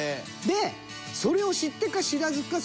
でそれを知ってか知らずか